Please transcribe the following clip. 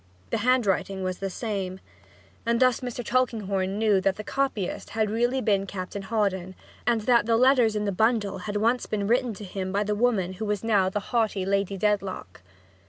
The handwriting was the same! And thus Mr. Tulkinghorn knew that the copyist had really been Captain Hawdon and that the letters in the bundle had once been written to him by the woman who was now the haughty Lady Dedlock.